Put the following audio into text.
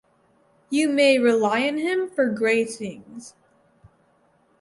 You may rely on him for great things.